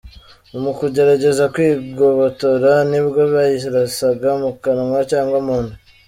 Mu kugerageza kwigobotora nibwo bayirasaga mu kanwa cyangwa mu nda.